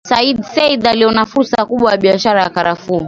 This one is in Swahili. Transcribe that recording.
Sayyid Said aliona fursa kubwa ya biashara ya karafuu